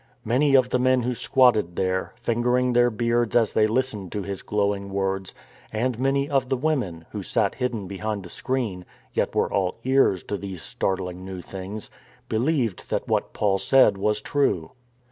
Many of the men who squatted there, fingering their beards as they listened to his glowing words, and many of the women, who sat hidden behind the screen yet were all ears to these startling new things, believed that what Paul said was true.